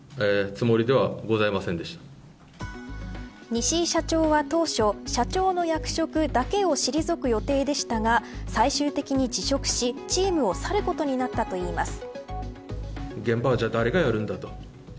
西井社長は、当初社長の役職だけを退く予定でしたが最終的に辞職しチームを去ることになったといいます。